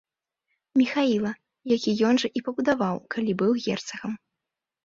Міхаіла, які ён жа і пабудаваў, калі быў герцагам.